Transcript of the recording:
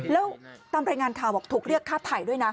แล้วตามรายงานข่าวบอกถูกเรียกฆ่าไถ่ด้วยนะ